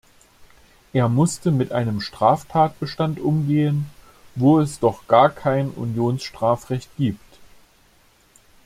Er musste mit einem Straftatbestand umgehen, wo es doch gar kein Unionstrafrecht gibt.